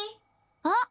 あっ！